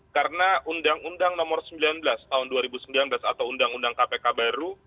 karena undang undang nomor sembilan belas tahun dua ribu sembilan belas atau undang undang kpk baru